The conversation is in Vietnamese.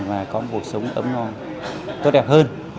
và có một cuộc sống ấm no tốt đẹp hơn